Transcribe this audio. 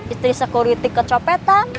istri sekuriti kecopetan